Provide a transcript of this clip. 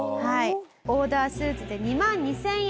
オーダースーツで２万２０００円。